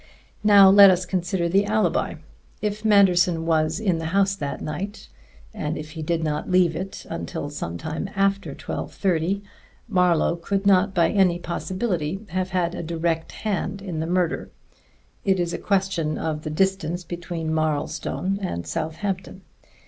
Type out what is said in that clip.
Now let us consider the alibi. If Manderson was in the house that night, and if he did not leave it until some time after twelve thirty, Marlowe could not by any possibility have had a direct hand in the murder. It is a question of the distance between Marlstone and Southampton.